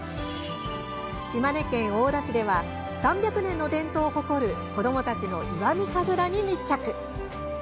島根県大田市では３００年の伝統を誇る子どもたちの石見神楽に密着。